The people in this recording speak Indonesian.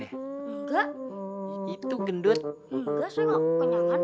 enggak saya yang kekenyangan